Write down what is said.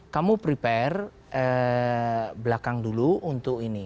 kamu prepare belakang dulu untuk ini